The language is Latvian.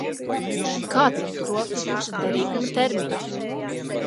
Kāds ir skropstu tušas derīguma termiņš?